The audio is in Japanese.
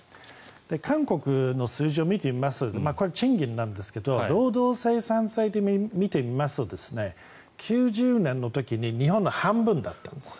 韓国の数字を見てみますとこれは賃金なんですけど労働生産性で見てみますと９０年の時に日本の半分だったんです。